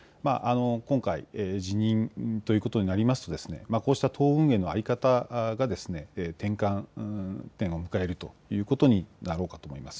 今回、辞任ということになりますとこうした党運営の在り方が転換点を迎えるということになろうかと思います。